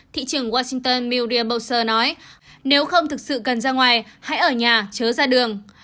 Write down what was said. thị trưởng washington miriam boser nói nếu không thực sự cần ra ngoài hãy ở nhà chớ ra đường